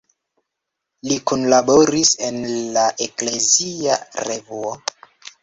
Li kunlaboris en la Eklezia Revuo.